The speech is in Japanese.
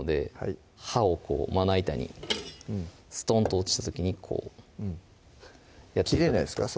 い刃をまな板にストンと落ちた時にこう切れないですか？